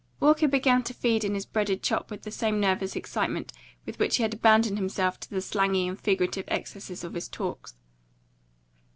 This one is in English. Walker began to feed in his breaded chop with the same nervous excitement with which he abandoned himself to the slangy and figurative excesses of his talks.